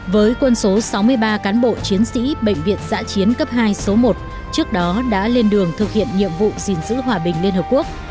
với quân số sáu mươi ba cán bộ chiến sĩ bệnh viện giã chiến cấp hai số một trước đó đã lên đường thực hiện nhiệm vụ gìn giữ hòa bình liên hợp quốc